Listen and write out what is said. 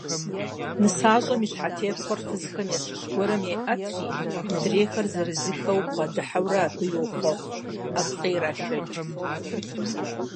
НысащӀэм и щхьэтепхъуэр фызхэм ящыщ гуэрым еӀэтри, мыдрейхэр зырызыххэу бгъэдыхьэурэ абы йохъуэхъу, ӀэплӀэ ирашэкӀ.